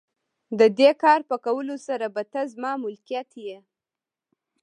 د دې کار په کولو سره به ته زما ملکیت یې.